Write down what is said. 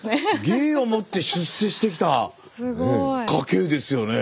芸をもって出世してきた家系ですよね。